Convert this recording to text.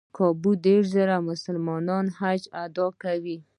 کابو دېرش زره مسلمانان حج ادا کوي.